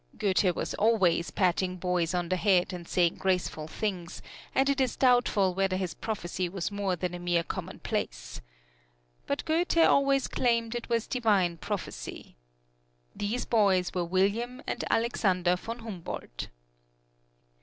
Goethe was always patting boys on the head and saying graceful things, and it is doubtful whether his prophecy was more than a mere commonplace. But Goethe always claimed it was divine prophecy. These boys were William and Alexander von Humboldt.